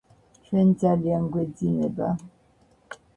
ჩვენ ძალიან გვეძინება